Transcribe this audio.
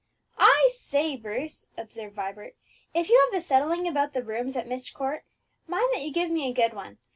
"I say, Bruce," observed Vibert, "if you have the settling about the rooms at Myst Court, mind that you give me a good one.